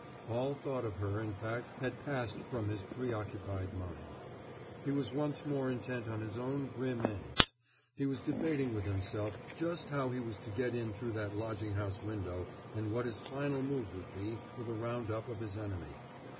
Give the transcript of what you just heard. All thought of her, in fact, had passed from his preoccupied mind. He was once more intent on his own grim ends. He was debating with himself just how he was to get in through that lodging house window and what his final move would be for the round up of his enemy.